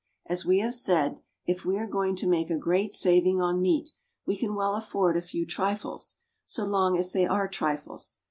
As we have said, if we are going to make a great saving on meat, we can well afford a few trifles, so long as they are trifles.